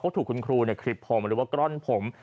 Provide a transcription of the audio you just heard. ถูกคุณครูคลิปผมหรือว่ากล้อนผม